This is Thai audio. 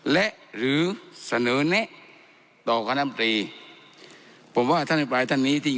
และหรือเสนอแนะต่อคณะมตรีผมว่าท่านอภิปรายท่านนี้ที่